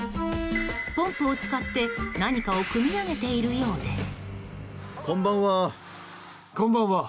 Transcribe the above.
ポンプを使って何かをくみ上げているようです。